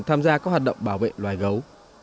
tham gia các hoạt động bảo vệ loài gấu